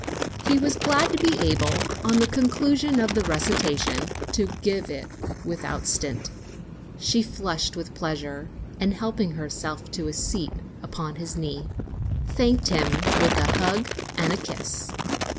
He was glad to be able, on the conclusion of the recitation, to give it without stint. She flushed with pleasure, and helping herself to a seat upon his knee, thanked him with a hug and kiss.